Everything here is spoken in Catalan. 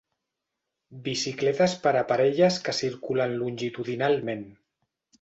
Bicicletes per a parelles que circulen longitudinalment.